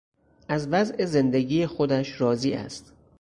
از وضع زندگی خودش راضی است.